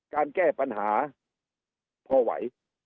การแก้ปัญหาพอไหว